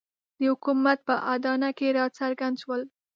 د حکومت په اډانه کې راڅرګند شول.